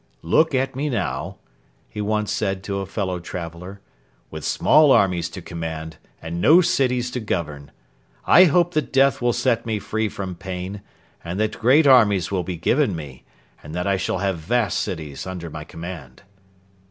'Look at me now,' he once said to a fellow traveller, 'with small armies to command and no cities to govern. I hope that death will set me free from pain, and that great armies will be given me, and that I shall have vast cities under my command.'